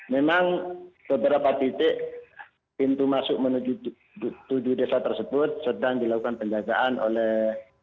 memang beberapa titik pintu masuk menuju tujuh desa tersebut sedang dilakukan penjagaan oleh